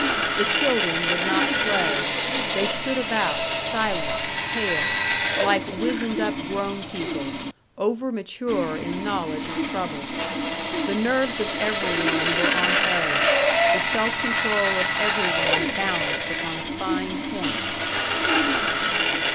The children would not play; they stood about, silent, pale, like wizened up grown people, over mature in knowledge of trouble. The nerves of every one were on edge, the self control of every one balanced upon a fine point.